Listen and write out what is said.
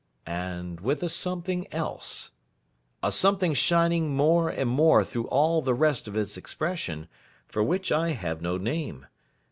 And with a something else; a something shining more and more through all the rest of its expression; for which I have no name.